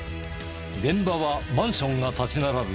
現場はマンションが立ち並ぶ